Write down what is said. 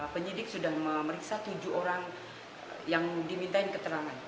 penyidik sudah memeriksa tujuh orang yang dimintain keterangan